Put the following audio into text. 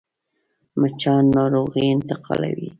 مچان ناروغي انتقالوي